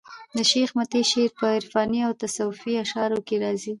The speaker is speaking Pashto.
د شېخ متي شعر په عرفاني او تصوفي اشعارو کښي راځي.